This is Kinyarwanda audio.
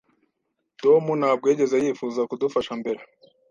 Tom ntabwo yigeze yifuza kudufasha mbere